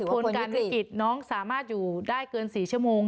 ผลการวิกฤตน้องสามารถอยู่ได้เกิน๔ชั่วโมง